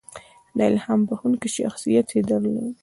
• الهام بښونکی شخصیت یې درلود.